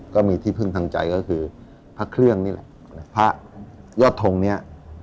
ก็มีที่พึ่งทางใจก็คือพระเครื่องนี่แหละพระยอดทงเนี่ย